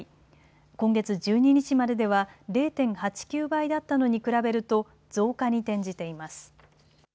今月１２日まででは０．８９倍だったのに比べると増加に転じています。